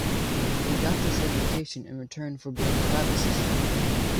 He got this education in return for being a lab assistant.